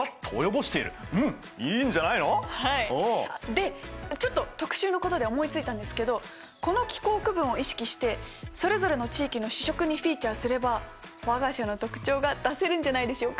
でちょっと特集のことで思いついたんですけどこの気候区分を意識してそれぞれの地域の主食にフィーチャーすれば我が社の特徴が出せるんじゃないでしょうか。